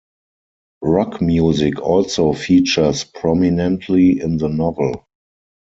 Rock music also features prominently in the novel.